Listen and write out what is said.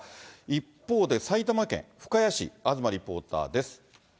一方で、埼玉県深谷市、東リポーターです。